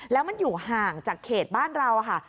แล้วมันอยู่ห่างจากเขตบ้านเราค่ะ